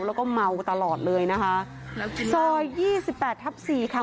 แล้วก็เมาตลอดเลยนะคะซอยยี่สิบแปดทับสี่ค่ะ